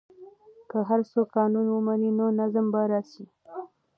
که هر څوک قانون ومني نو نظم به راسي.